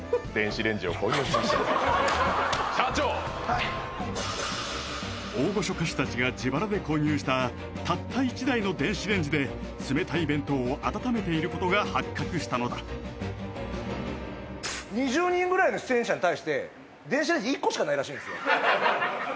はいっ大御所歌手たちが自腹で購入したたった１台の電子レンジで冷たい弁当を温めていることが発覚したのだ２０人ぐらいの出演者に対して電子レンジ１個しかないらしいです